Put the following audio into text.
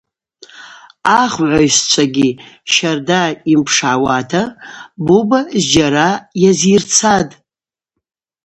Ахгӏвайщчвагьи щарда йымпшгӏауата Буба зджьара йазйырцатӏ.